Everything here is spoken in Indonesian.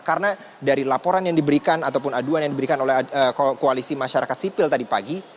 karena dari laporan yang diberikan ataupun aduan yang diberikan oleh koalisi masyarakat sipil tadi pagi